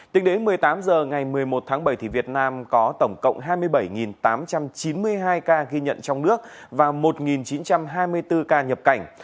tính đến một mươi tám h ngày một mươi một tháng bảy việt nam có tổng cộng hai mươi bảy tám trăm chín mươi hai ca ghi nhận trong nước và một chín trăm hai mươi bốn ca nhập cảnh